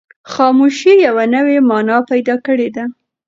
خاموشي یوه نوې مانا پیدا کړې ده.